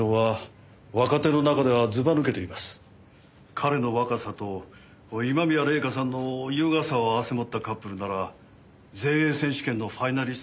彼の若さと今宮礼夏さんの優雅さを合わせ持ったカップルなら全英選手権のファイナリストも夢ではない。